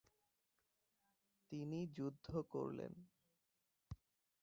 তিনি যুদ্ধ করলেন।